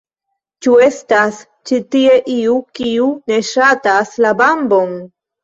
Ĉu estas ĉi tie iu, kiu ne ŝatas la Bambon?